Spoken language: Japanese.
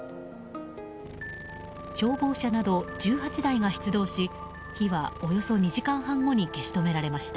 消防車など１８台が出動し火は、およそ２時間半後に消し止められました。